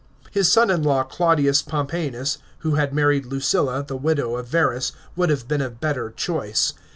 His son in law Claudius Pompe anus, who had married Lucilla, the widow of Verus, would have bt en a better choice.